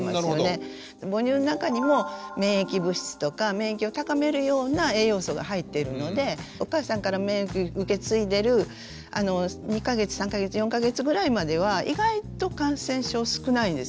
母乳の中にも免疫物質とか免疫を高めるような栄養素が入っているのでお母さんから免疫を受け継いでる２か月３か月４か月ぐらいまでは意外と感染症少ないですよね。